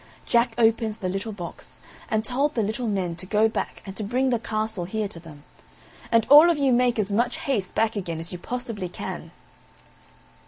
Jack opens the little box, and told the little men to go back and to bring the castle here to them; "and all of you make as much haste back again as you possibly can."